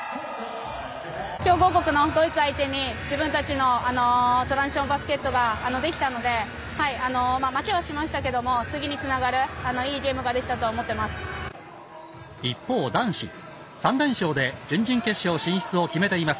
強豪国のドイツを相手にトランジションバスケットができたので負けはしましたけども次につながるいいゲームができたと思っています。